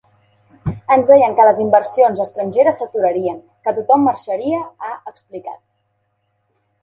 Ens deien que les inversions estrangeres s’aturarien, que tothom marxaria, ha explicat.